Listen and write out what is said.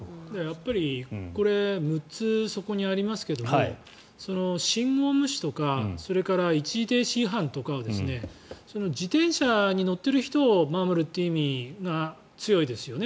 やっぱりこれ６つそこにありますけど信号無視とかそれから一時停止違反とかを自転車に乗っている人を守るっていう意味が強いですよね。